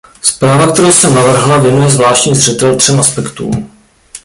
Zpráva, kterou jsem navrhla, věnuje zvláštní zřetel třem aspektům.